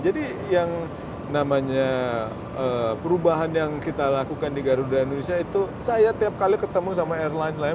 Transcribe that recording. jadi yang namanya perubahan yang kita lakukan di garuda indonesia itu saya tiap kali ketemu sama airlines lain